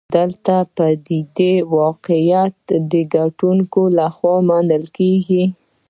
دلته د پدیدې واقعیت د کتونکو لخوا منل کېږي.